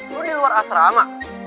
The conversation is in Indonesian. lo di luar asrama